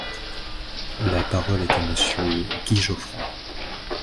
La parole est à Monsieur Guy Geoffroy.